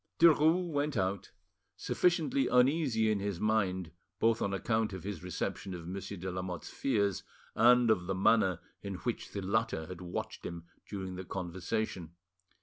Derues went out, sufficiently uneasy in his mind, both on account of his reception of Monsieur de Lamotte's fears and of the manner in which the latter had watched him during the conversation.